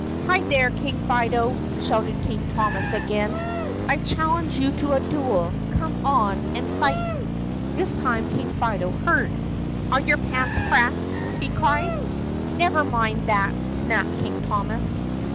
"Hi, there, King Fido!" shouted King Thomas again. "I challenge you to a duel. Come on out and fight!" This time King Fido heard. "Are your pants pressed?" he cried. "Never mind that," snapped King Thomas.